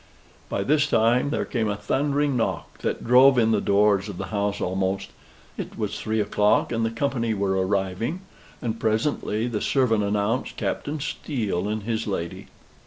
By this time there came a thundering knock, that drove in the doors of the house almost. It was three o'clock, and the company were arriving; and presently the servant announced Captain Steele and his lady.